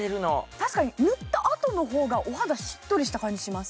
確かに塗ったあとの方がお肌、しっとりする感じがします。